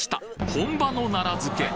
本場の奈良漬